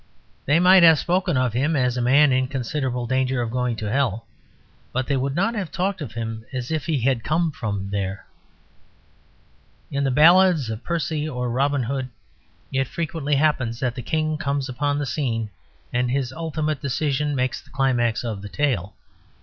They might have spoken of him as a man in considerable danger of going to hell; but they would have not talked of him as if he had come from there. In the ballads of Percy or Robin Hood it frequently happens that the King comes upon the scene, and his ultimate decision makes the climax of the tale.